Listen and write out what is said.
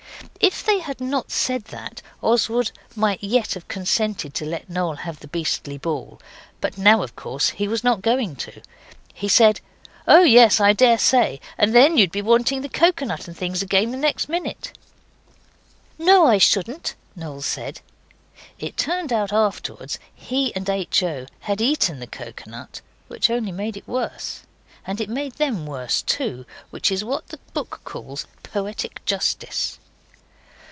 If they had not said that, Oswald might yet have consented to let Noel have the beastly ball, but now, of course, he was not going to. He said 'Oh, yes, I daresay. And then you would be wanting the coconut and things again the next minute.' 'No, I shouldn't,' Noel said. It turned out afterwards he and H. O. had eaten the coconut, which only made it worse. And it made them worse too which is what the book calls poetic justice.